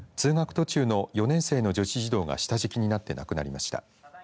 途中の４年生の女子児童が下敷きになって亡くなりました。